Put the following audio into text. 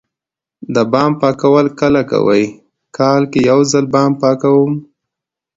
د بام پاکول کله کوئ؟ کال کې یوځل بام پاکوم